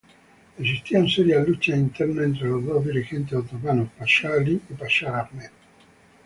Existían serias luchas internas entre los dos dirigentes otomanos, Pasha Ali y Pasha Ahmed.